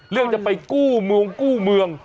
เรื่องจะไปกู้เมืองกู้เมือง